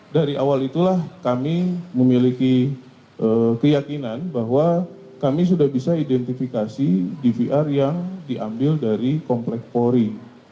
dari awal itulah kami memiliki keyakinan bahwa kami sudah bisa identifikasi dvr yang diambil dari kompleks polri